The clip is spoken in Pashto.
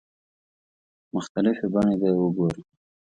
مختلفې بڼې به یې وګورو.